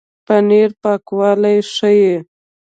پنېر پاکوالی ښيي.